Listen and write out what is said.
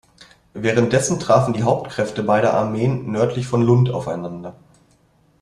Währenddessen trafen die Hauptkräfte beider Armeen nördlich von Lund aufeinander.